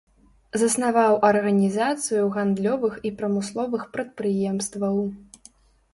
Заснаваў арганізацыю гандлёвых і прамысловых прадпрыемстваў.